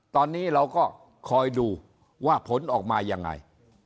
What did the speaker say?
ตอนนี้เราก็คอยดูว่าผลออกมายังไง